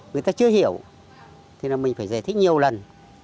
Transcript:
người ta chưa hiểu thì là mình phải giải thích nhiều lần